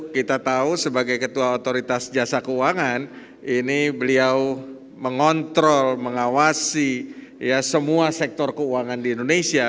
kita tahu sebagai ketua otoritas jasa keuangan ini beliau mengontrol mengawasi semua sektor keuangan di indonesia